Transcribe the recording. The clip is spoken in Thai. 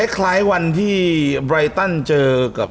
คล้ายวันที่ไรตันเจอกับ